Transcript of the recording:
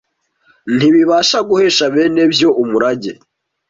ntibibasha guhesha bene byo umurage